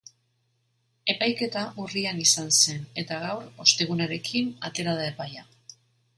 Epaiketa urrian izan zen, eta gaur, ostegunarekin, atera da epaia.